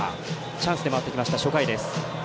チャンスで回ってきました初回です。